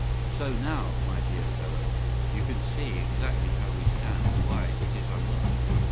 "So now, my dear fellow, you see exactly how we stand and why it is I want you.